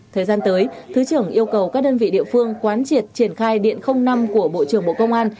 thời gian tới thứ trưởng yêu cầu các đơn vị địa phương quán triệt triển khai điện năm của bộ trưởng bộ công an